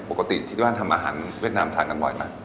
ปกติที่บ้านทำอาหารเวียดนามทานกันบ่อยไหม